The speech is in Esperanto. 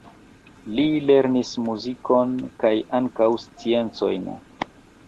Li lernis muzikon kaj ankaŭ sciencojn.